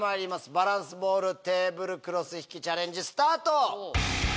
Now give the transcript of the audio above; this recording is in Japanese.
バランスボールテーブルクロス引きチャレンジスタート！